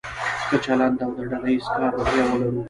ښه چلند او د ډله ایز کار روحیه ولرو.